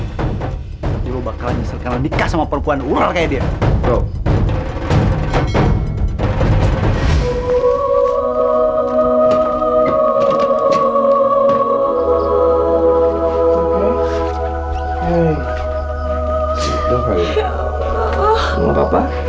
nanti lo bakal nyisirkanlah nikah sama perempuan urar kayak dia